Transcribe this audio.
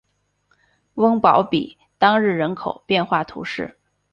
翁堡比当日人口变化图示